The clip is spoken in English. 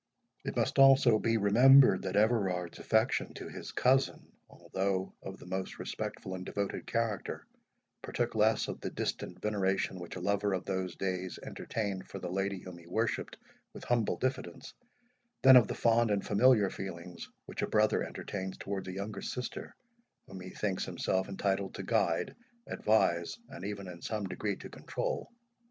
It must also be remembered, that Everard's affection to his cousin, although of the most respectful and devoted character, partook less of the distant veneration which a lover of those days entertained for the lady whom he worshipped with humble diffidence, than of the fond and familiar feelings which a brother entertains towards a younger sister, whom he thinks himself entitled to guide, advise, and even in some degree to control.